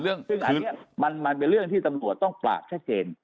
ซึ่งอันนี้มันเป็นเรื่องที่ตำรวจต้องปราบชัดเจน